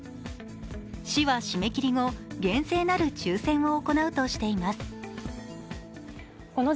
市は締め切り後、厳正なる抽選を行うとしています。